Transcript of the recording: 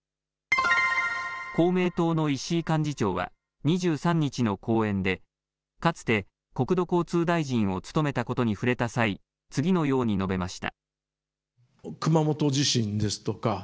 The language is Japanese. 公明党の石井幹事長は２３日の講演でかつて国土交通大臣を務めたことに触れた際、次のように述べました。